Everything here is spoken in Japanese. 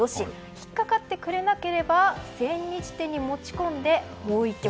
引っかかってくれなければ千日手に持ち込んで、もう１局。